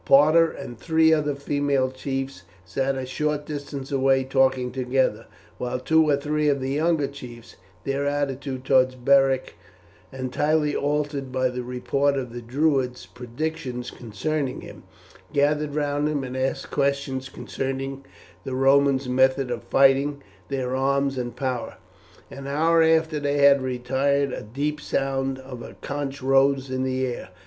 Parta and three other female chiefs sat a short distance away talking together, while two or three of the younger chiefs, their attitude towards Beric entirely altered by the report of the Druids' predictions concerning him, gathered round him and asked questions concerning the Romans' methods of fighting, their arms and power. An hour after they had retired a deep sound of a conch rose in the air.